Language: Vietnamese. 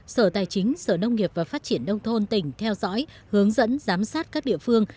sở tài chính sở nông nghiệp và phát triển đông thôn tỉnh theo dõi hướng dẫn giám sát các địa phương